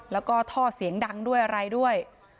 แล้วก็ท่อเสียงดังด้วยอะไรด้วย